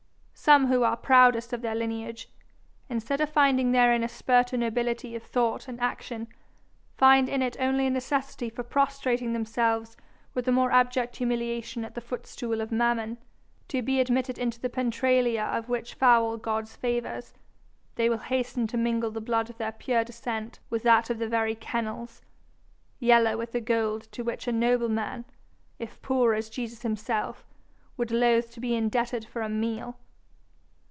Some who are proudest of their lineage, instead of finding therein a spur to nobility of thought and action, find in it only a necessity for prostrating themselves with the more abject humiliation at the footstool of Mammon, to be admitted into the penetralia of which foul god's favours, they will hasten to mingle the blood of their pure descent with that of the very kennels, yellow with the gold to which a noble man, if poor as Jesus himself, would loathe to be indebted for a meal.